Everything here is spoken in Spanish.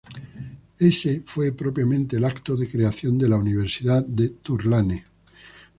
Ése fue propiamente al acto de creación de la Universidad Tulane.